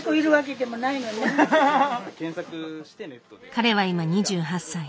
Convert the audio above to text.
彼は今２８歳。